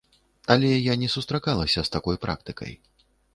Але я не сустракалася з такой практыкай.